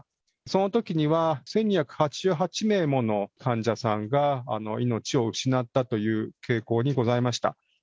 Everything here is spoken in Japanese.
そのときには１２８８名もの患者さんが命を失ったという傾向にございました。